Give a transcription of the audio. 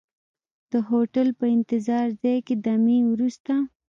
د هوټل په انتظار ځای کې دمې وروسته.